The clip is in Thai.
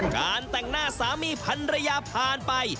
การแต่งหน้าสามีพันรยาผ่านไป